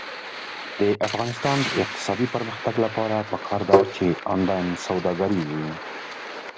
د افغانستان د اقتصادي پرمختګ لپاره پکار ده چې آنلاین سوداګري وي.